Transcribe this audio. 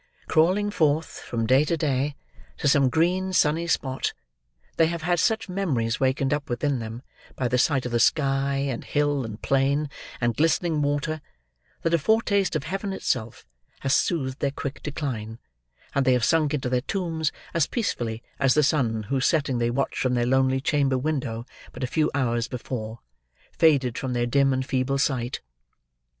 Crawling forth, from day to day, to some green sunny spot, they have had such memories wakened up within them by the sight of the sky, and hill and plain, and glistening water, that a foretaste of heaven itself has soothed their quick decline, and they have sunk into their tombs, as peacefully as the sun whose setting they watched from their lonely chamber window but a few hours before, faded from their dim and feeble sight!